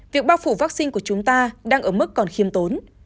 việc bao phủ vaccine của chúng ta đang ở mức còn khiêm tốn